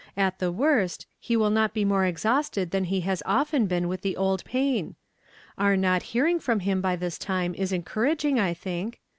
At the worst, lie will not be more ex hausted than he has often been with the old pain. Our not hearing from him by this time is encour aging, I think.